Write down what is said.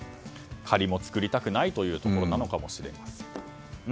仮も作りたくないというところなのかもしれません。